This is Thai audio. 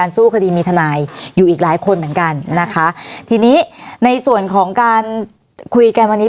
สู้คดีมีทนายอยู่อีกหลายคนเหมือนกันนะคะทีนี้ในส่วนของการคุยกันวันนี้